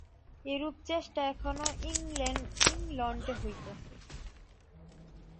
এরূপ চেষ্টা এখনও ইংলণ্ডে হইতেছে।